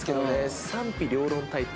賛否両論タイプ。